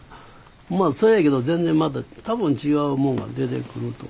まあそうやけど全然また多分違うもんが出てくると思う。